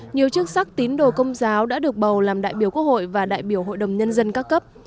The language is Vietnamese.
nhiều chức sắc tín đồ công giáo đã được bầu làm đại biểu quốc hội và đại biểu hội đồng nhân dân các cấp